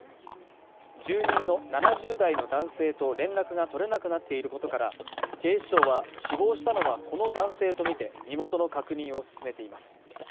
住人の７０代の男性と連絡が取れなくなっていることから、警視庁は死亡したのはこの男性とみて身元の確認を進めています。